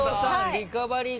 リカバリー